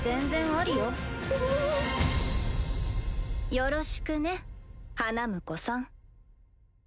よろしくね花婿さん。